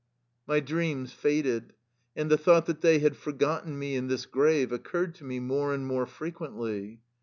My dreams faded, and the thought that they had forgotten me in this grave occurred to me more and more frequently.